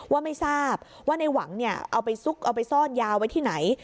ว่าไม่ทราบว่าในหวังเอาไปซุกเอาไปซ่อนยาไว้ที่ไหน